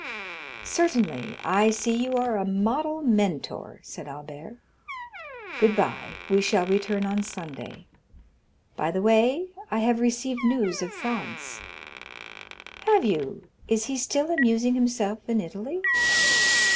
"Certainly; I see you are a model Mentor," said Albert "Good bye, we shall return on Sunday. By the way, I have received news of Franz." "Have you? Is he still amusing himself in Italy?"